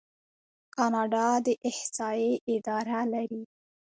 کاناډا د احصایې اداره لري.